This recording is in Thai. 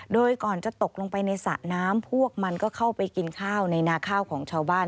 โดยก่อนจะตกลงไปในสระน้ำพวกมันก็เข้าไปกินข้าวในนาข้าวของชาวบ้าน